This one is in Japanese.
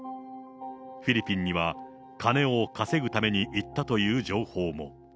フィリピンには、金を稼ぐために行ったという情報も。